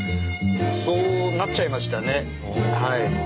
そうなっちゃいましたねはい。